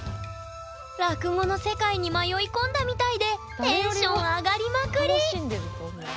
落語の世界に迷い込んだみたいでテンション上がりまくり！